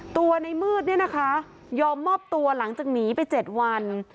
ในมืดเนี่ยนะคะยอมมอบตัวหลังจากหนีไป๗วัน